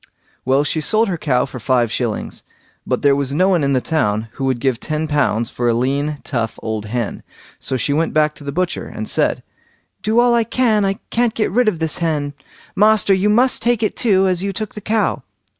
Well, she sold her cow for five shillings, but there was no one in the town who would give ten pounds for a lean tough old hen, so she went back to the butcher, and said: "Do all I can, I can't get rid of this hen, master! you must take it too, as you took the cow."